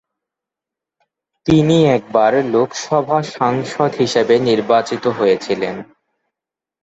তিনি একবার লোকসভা সাংসদ হিসেবে নির্বাচিত হয়েছিলেন।